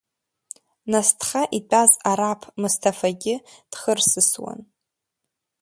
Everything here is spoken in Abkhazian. Насҭха итәаз араԥ Мысҭафагьы дхырсысуан.